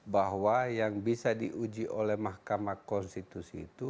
bahwa yang bisa diuji oleh mahkamah konstitusi itu